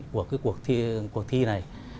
của cuộc thi này